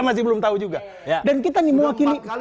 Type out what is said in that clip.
masih belum tahu juga dan kita nih mau akibat kali